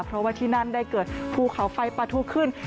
เพราะว่าที่นั่นได้เกิดภูเขาไฟปะทุขึ้น